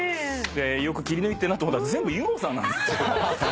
よく切り抜いてるなと思ったら全部ユンホさんなんですよ。